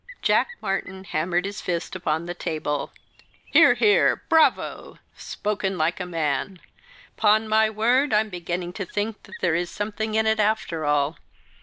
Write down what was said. Jack Martyn hammered his fist upon the table. "Hear, hear! bravo! spoken like a man! 'Pon my word, I'm beginning to think that there is something in it after all.